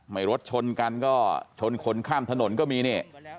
รถชนกันก็ชนคนข้ามถนนก็มีนี่